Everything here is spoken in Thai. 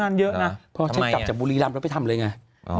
พอเช็คกลับจากบุรีรำแล้วไปทำเลยไง